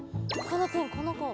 この子。